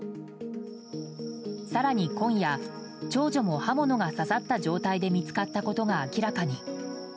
更に今夜長女も刃物が刺さった状態で見つかったことが明らかに。